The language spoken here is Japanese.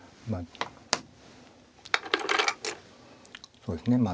そうですねまあ。